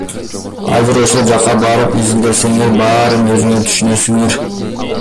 Азыр ошол жакка барып изилдесеңер, баарын өзүңөр түшүнөсүңөр.